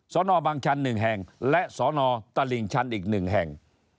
สนบางชัน๑แห่งและสนตลิ่งชันอีก๑แห่ง